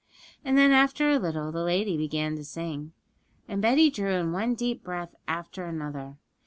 And then, after a little, the lady began to sing; and Betty drew in one deep breath after another.